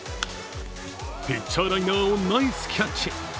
ピッチャーライナーをナイスキャッチ。